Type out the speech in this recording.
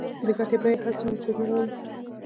د ګټې بیه چې هر څومره لوړه وي